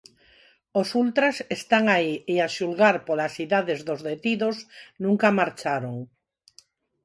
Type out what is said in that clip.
Os ultras están aí e a xulgar polas idades dos detidos, nunca marcharon.